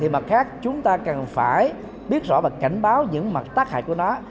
mặt khác chúng ta cần phải biết rõ và cảnh báo những mặt tác hại của nó